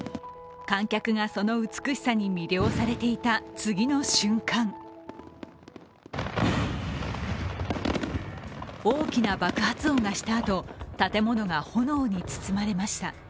観客がその美しさに魅了されていた次の瞬間大きな爆発音がしたあと建物が炎に包まれました。